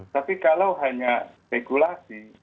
tapi kalau hanya spekulasi